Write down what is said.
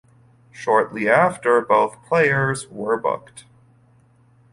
Shortly after, both players were booked.